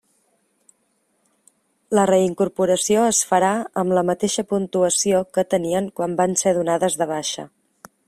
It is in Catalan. La reincorporació es farà amb la mateixa puntuació que tenien quan van ser donades de baixa.